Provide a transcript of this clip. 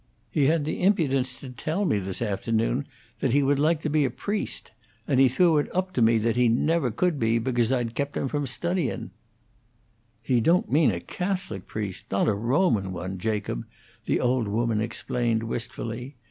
He had the impudence to tell me this afternoon that he would like to be a priest; and he threw it up to me that he never could be because I'd kept him from studyin'." "He don't mean a Catholic priest not a Roman one, Jacob," the old woman explained, wistfully.